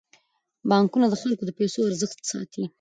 بانکونه د خلکو د پيسو ارزښت ساتي.